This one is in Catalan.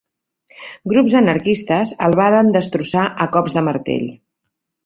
Grups anarquistes el varen destrossar a cops de martell.